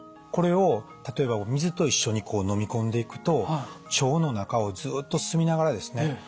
これを例えば水と一緒にこうのみ込んでいくと腸の中をずっと進みながらですね